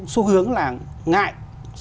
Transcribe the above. xu hướng là ngại